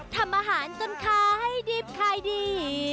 ทำอาหารจนคล้ายดิบคล้ายดี